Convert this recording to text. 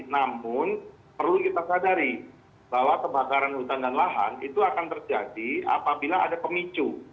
namun perlu kita sadari bahwa kebakaran hutan dan lahan itu akan terjadi apabila ada pemicu